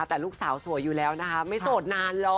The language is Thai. แต่ลูกสาวสวยอยู่แล้วนะคะไม่โสดนานหรอก